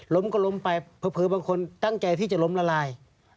ล้มก็ล้มไปเผลอบางคนตั้งใจที่จะล้มละลาย